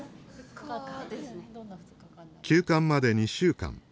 休刊まで２週間。